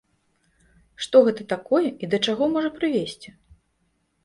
Што гэта такое і да чаго можа прывесці?